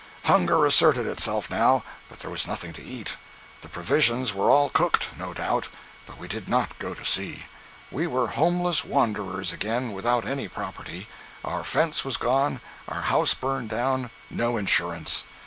Hunger asserted itself now, but there was nothing to eat. The provisions were all cooked, no doubt, but we did not go to see. We were homeless wanderers again, without any property. Our fence was gone, our house burned down; no insurance.